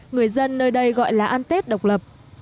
người dân nơi đây gọi là an tết độc lập